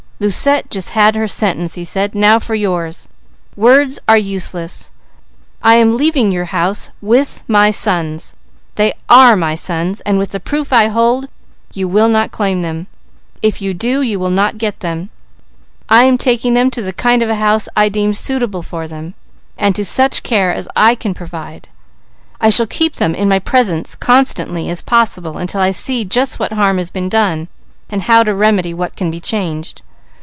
"Lucette just had her sentence," he said, "now for yours! Words are useless! I am leaving your house with my sons. They are my sons, and with the proof I hold, you will not claim them. If you do, you will not get them. I am taking them to the kind of a house I deem suitable for them, and to such care as I can provide. I shall keep them in my presence constantly as possible until I see just what harm has been done, and how to remedy what can be changed.